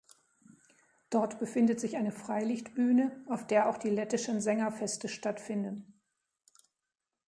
Dort befindet sich eine Freilichtbühne, auf der auch die lettischen Sängerfeste stattfinden.